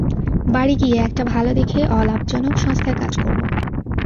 বাড়ি গিয়ে, একটা ভালো দেখে অলাভজনক সংস্থায় কাজ করবো।